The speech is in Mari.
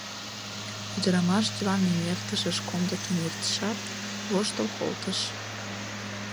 — Ӱдырамаш диван эҥертышыш комдык эҥертышат, воштыл колтыш.